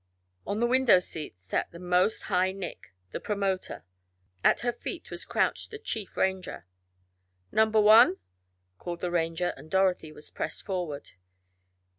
On the window seat sat the Most High Nick the promoter. At her feet was crouched the Chief Ranger. "Number one!" called the Ranger, and Dorothy was pressed forward.